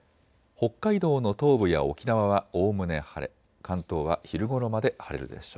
北海道の東部や沖縄はおおむね晴れ、関東は昼ごろまで晴れるでしょう。